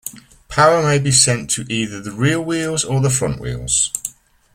Power may be sent to either the rear wheels or the front wheels.